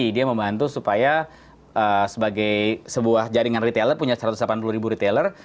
dia membantu supaya sebagai sebuah jaringan retailer punya satu ratus delapan puluh ribu retailer